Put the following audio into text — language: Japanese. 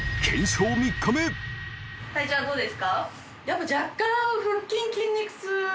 やっぱ若干餅田）